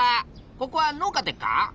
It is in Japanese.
ここは農家でっか？